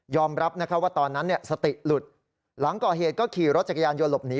ยอมรับนะคะว่าตอนนั้นเนี่ยสติหลุดหลังก่อเหตุก็ขี่รถจักรยานยวลบหนี